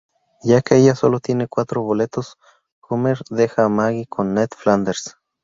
Ya que ella sólo tiene cuatro boletos, Homer deja a Maggie con Ned Flanders.